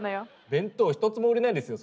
弁当ひとつも売れないですよ。